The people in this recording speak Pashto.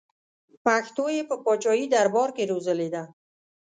پښتو یې په پاچاهي دربار کې روزلې ده.